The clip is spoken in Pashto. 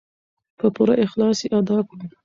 په پوره اخلاص یې ادا کړو.